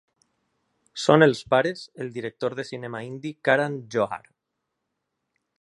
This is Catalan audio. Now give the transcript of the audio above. Són els pares el director de cinema indi Karan Johar.